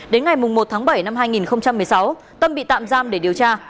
đến ngày một tháng bảy năm hai nghìn một mươi sáu tâm bị tạm giam để điều tra